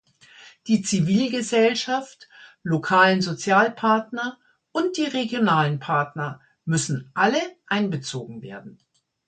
Die Zivilgesellschaft, lokalen Sozialpartner und die regionalen Partner müssen alle einbezogen werden.